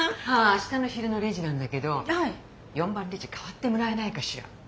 明日の昼のレジなんだけど４番レジ代わってもらえないかしら。